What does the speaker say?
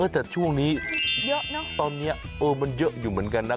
แต่ช่วงนี้ตอนนี้เออมันเยอะอยู่เหมือนกันนะ